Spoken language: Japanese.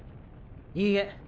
いいえ